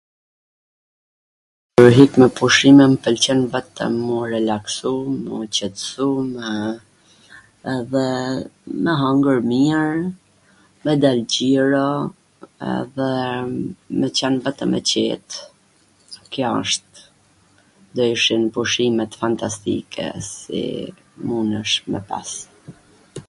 me hik me pushime mw pwlqen vetwm m u relaksu, m u qetsu, edhe me hangwr mir, me dal xhiro, edhe me qwn vetwm e qet, kjo wsht, do ishin pushimet fantastike si munesh me pas